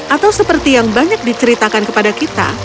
atau seperti yang banyak diceritakan kepada kita